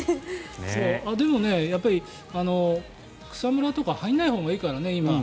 でも、草むらとか今入らないほうがいいからね。